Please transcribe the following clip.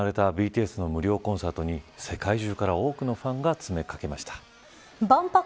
週末、韓国、釜山で行われたＢＴＳの無料コンサートに世界中から多くのファンが詰めかけました。